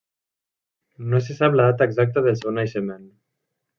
No se sap la data exacta del seu naixement.